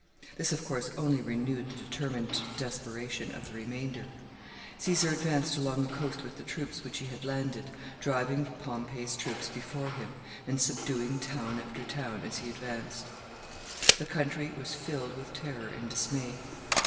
This, of course, only renewed the determined desperation of the remainder. Caesar advanced along the coast with the troops which he had landed, driving Pompey's troops before him, and subduing town after town as he advanced. The country was filled with terror and dismay.